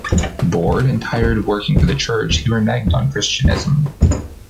Bored and tired of working for the church, he reneged on Christianism.